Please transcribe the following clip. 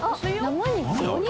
生肉？